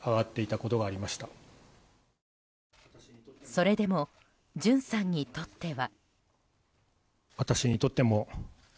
それでもジュンさんにとっては。